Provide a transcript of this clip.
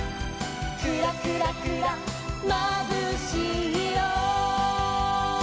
「クラクラクラまぶしいよ」